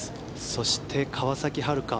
そして川崎春花。